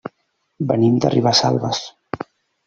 Venim de Ribesalbes.